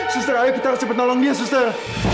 suster ayo kita harus cepat nolong dia suster